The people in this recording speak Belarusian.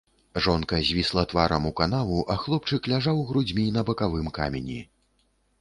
Жонка звісла тварам у канаву, а хлопчык ляжаў грудзьмі на бакавым камені.